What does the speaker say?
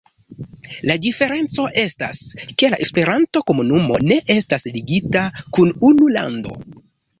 La diferenco estas, ke la Esperanto-komunumo ne estas ligita kun unu lando.